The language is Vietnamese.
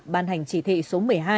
ban hành chỉ thị số một mươi hai